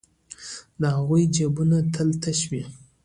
د هغوی جېبونه تل تش وي